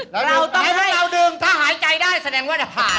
เราต้องให้เราดึงถ้าหายใจได้แสดงว่าจะผ่าน